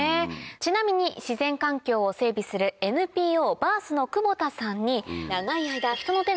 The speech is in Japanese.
ちなみに自然環境を整備する「ＮＰＯｂｉｒｔｈ」の久保田さんに。